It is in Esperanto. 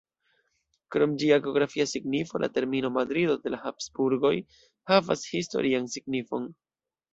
Krom ĝia geografia signifo, la termino "Madrido de la Habsburgoj" havas historian signifon.